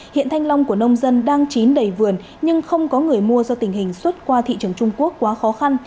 hiện thanh long của nông dân đang chín đầy vườn nhưng không có người mua do tình hình xuất qua thị trường trung quốc quá khó khăn